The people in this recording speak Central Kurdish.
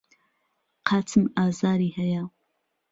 قاچم ئازاری هەیە.